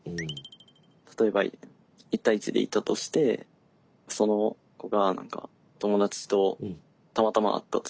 例えば１対１でいたとしてその子が何か友達とたまたま会ったとするじゃないですか。